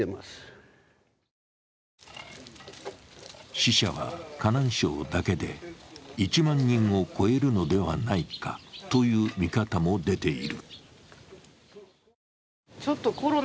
死者は河南省だけで、１万人を超えるのではないかという見方も出ている。